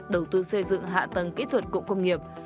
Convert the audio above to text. đầu tư xây dựng hạ tầng kỹ thuật cụm công nghiệp